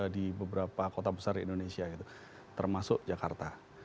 di beberapa kota besar di indonesia termasuk jakarta